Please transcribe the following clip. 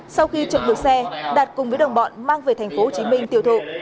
sau khi trộm được xe đạt cùng với đồng bọn mang về tp hcm tiêu thụ